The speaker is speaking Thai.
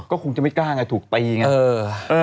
ก็คงจะไม่กล้าไงถูกตีไง